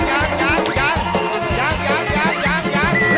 ครบเปิดได้แล้ว